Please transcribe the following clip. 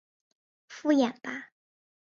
繁衍吧！